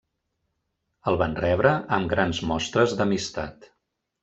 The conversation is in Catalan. Els van rebre amb grans mostres d'amistat.